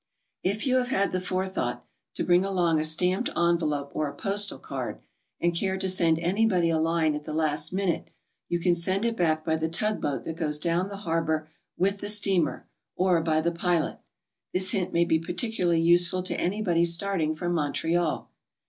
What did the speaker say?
If you have had the forethought to bring along a stamped envelope or a postal card, and care to send anybody a line at the last minute, you can send it back by the tugboat that goes down the harbor with the steamer, or by the pilot. This hint may be particularly useful to anybody starting from Montreal.